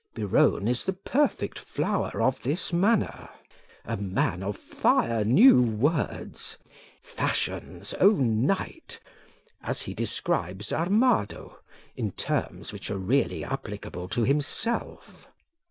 Biron is the perfect flower of this manner: A man of fire new words, fashion's own knight: as he describes Armado, in terms which are really applicable to himself.